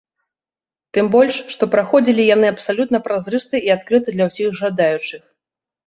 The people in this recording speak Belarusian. Тым больш, што праходзілі яны абсалютна празрыста і адкрыта для ўсіх жадаючых.